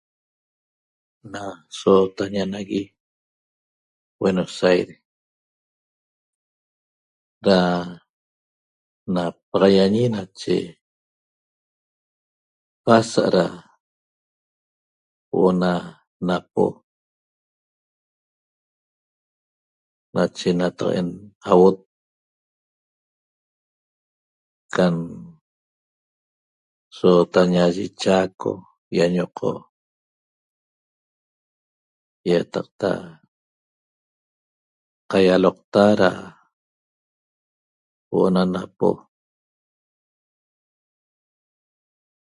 Na sootaña nagui Buenos Aires da napaxaiañi nache pasa'a da huo'o na napo nache nataq'en uaot can sootaña yi Chaco ýañoqo' ýataqta qaialoqta da huo'o na napo